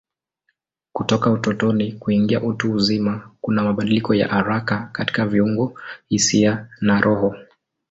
Kutoka utotoni kuingia utu uzima kuna mabadiliko ya haraka katika viungo, hisia na roho.